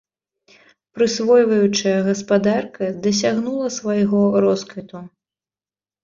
Прысвойваючая гаспадарка дасягнула свайго росквіту.